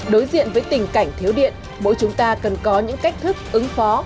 đối diện với tình cảnh thiếu điện mỗi chúng ta cần có những cách thức ứng phó